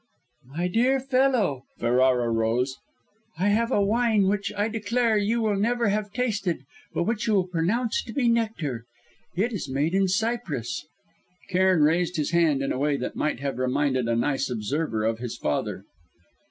"My dear fellow!" Ferrara rose. "I have a wine which, I declare, you will never have tasted but which you will pronounce to be nectar. It is made in Cyprus " Cairn raised his hand in a way that might have reminded a nice observer of his father.